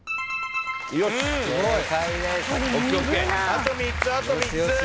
あと３つあと３つ。